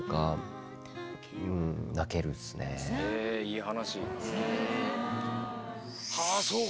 いい話！